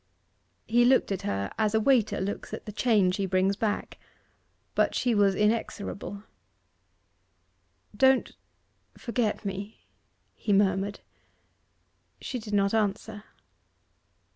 He looked at her as a waiter looks at the change he brings back. But she was inexorable. 'Don't forget me,' he murmured. She did not answer.